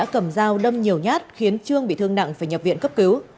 cảm giáo đâm nhiều nhát khiến trương bị thương nặng phải nhập viện cấp cứu